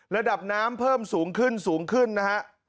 ระดับน้ำเพิ่มสูงขึ้นสูงขึ้นนะฮะ